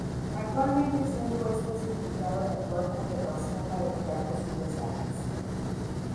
Actualmente se ha impuesto el significado de actuar con precaución para evitar posibles daños.